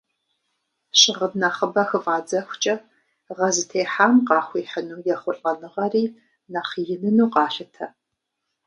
Щыгъын нэхъыбэ хыфӀадзэхукӀэ, гъэ зытехьам къахуихьыну ехъулӀэныгъэри нэхъ иныну къалъытэ.